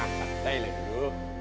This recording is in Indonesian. santai lagi dulu